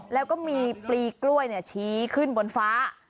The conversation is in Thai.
แล้วก็มีปลีกล้วยชี้ขึ้นบนฟ้า